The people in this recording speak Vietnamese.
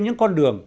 những con đường